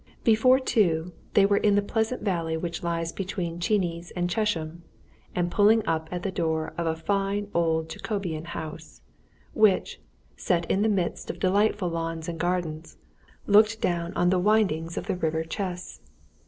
Before two, they were in the pleasant valley which lies between Chenies and Chesham and pulling up at the door of a fine old Jacobean house, which, set in the midst of delightful lawns and gardens, looked down on the windings of the river Chess.